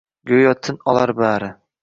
Go’yo tin olar bari.